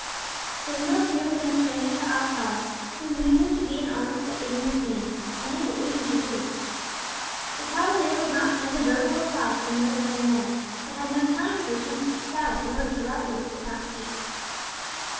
The muleteer was no stranger to Alcala, who knew him to be an honest but ignorant man, unable even to read. The cavalier would not send a verbal reply to the note of Inez, but had no time to return to the posada in order to write what he could not speak.